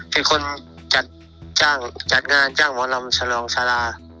เป็นคนจัดงานจ้างหมอลำสลองซารา